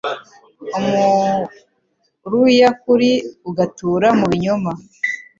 umuruyakuri agatura mu binyoma,